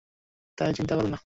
তাই চিন্তা করবেন না।